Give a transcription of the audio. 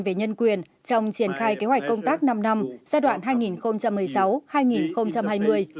về nhân quyền trong triển khai kế hoạch công tác năm năm giai đoạn hai nghìn một mươi sáu hai nghìn hai mươi